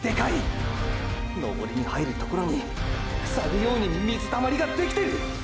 登りに入るところにふさぐように水たまりができてる！！